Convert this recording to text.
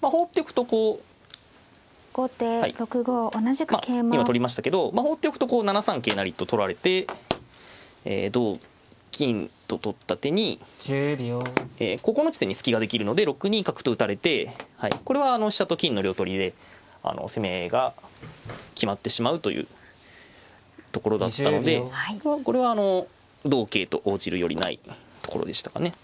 放っておくとこうはい今取りましたけど放っておくとこう７三桂成と取られて同金と取った手にここの地点に隙ができるので６二角と打たれてこれは飛車と金の両取りで攻めが決まってしまうというところだったのでこれは同桂と応じるよりないところでしたかね。